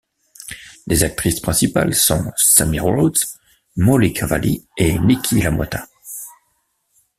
Les actrices principales sont Sammie Rhodes, Molly Cavalli et Nikki LaMotta.